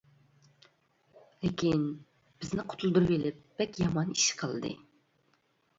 لېكىن بىزنى قۇتۇلدۇرۇۋېلىپ بەك يامان ئىش قىلدى.